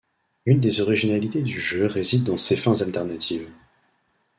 Une des originalités du jeu réside dans ses fins alternatives.